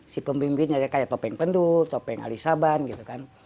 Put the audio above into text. si pimpinnya kayak topeng pendud topeng alisaban gitu kan